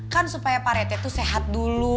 kan supaya pak rt tuh sehat dulu